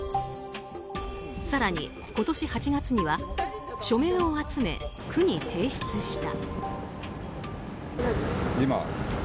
更に、今年８月には署名を集め、区に提出した。